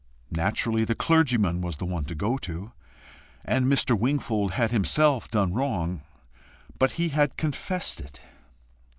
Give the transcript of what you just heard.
Naturally the clergyman was the one to go to and Mr. Wingfold had himself done wrong. But he had confessed it!